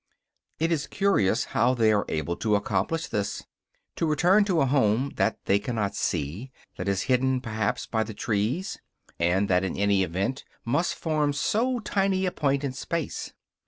It is curious how they are able to accomplish this; to return to a home that they cannot see, that is hidden perhaps by the trees, and that in any event must form so tiny a point in space.